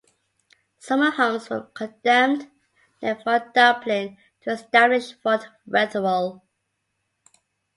Summer homes were condemned near Fort Dumpling to establish Fort Wetherill.